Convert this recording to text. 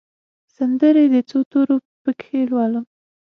سندرې د څو تورو پکښې لولم